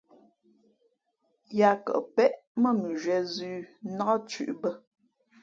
Yāā kαʼ péʼ mά mʉnzhwīē zʉ̄ nák thʉ̄ʼ bᾱ.